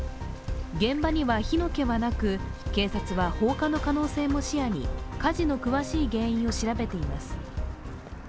現場には火の気はなく、警察は放火の可能性も視野に火事の詳しい原因を調べています。